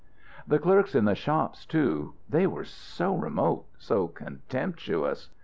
The clerks in the shops, too they were so remote, so contemptuous.